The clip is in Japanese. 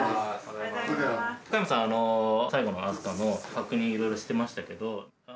加山さん最後の飛鳥の確認いろいろしてましたけど。